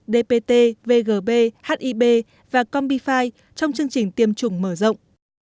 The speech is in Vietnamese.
dpt vgb hib và combifi trong chương trình tiêm chủng mở rộng